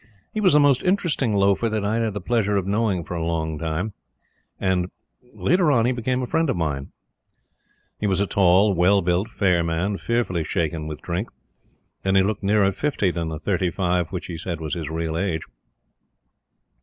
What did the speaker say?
He was the most interesting loafer that I had the pleasure of knowing for a long time; and later on, he became a friend of mine. He was a tall, well built, fair man fearfully shaken with drink, and he looked nearer fifty than the thirty five which, he said, was his real age.